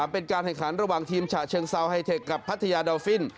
เป็นการแข่งขันระหว่างทีมฉะเชิงเซาไฮเทคกับพัทยาดาฟิน